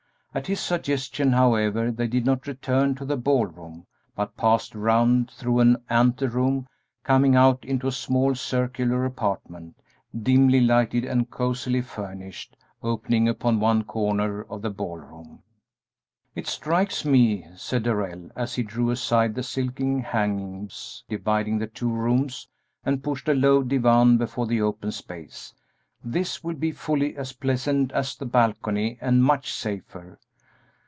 At his suggestion, however, they did not return to the ball room, but passed around through an anteroom, coming out into a small, circular apartment, dimly lighted and cosily furnished, opening upon one corner of the ball room. "It strikes me," said Darrell, as he drew aside the silken hangings dividing the two rooms and pushed a low divan before the open space, "this will be fully as pleasant as the balcony and much safer."